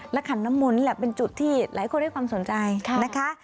ขันน้ำมนต์นี่แหละเป็นจุดที่หลายคนให้ความสนใจนะคะ